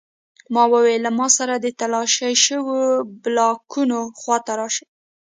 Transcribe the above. ما وویل له ما سره د تالاشي شویو بلاکونو خواته راشئ